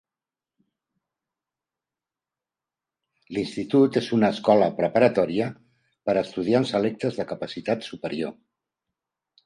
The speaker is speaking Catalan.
L'institut és una escola preparatòria per a estudiants selectes de capacitat superior.